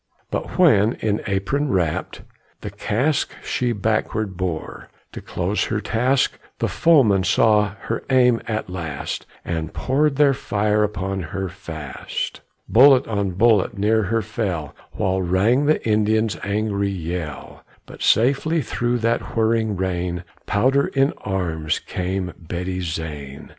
But when, in apron wrapped, the cask She backward bore, to close her task, The foemen saw her aim at last, And poured their fire upon her fast. Bullet on bullet near her fell, While rang the Indians' angry yell; But safely through that whirring rain, Powder in arms, came Betty Zane.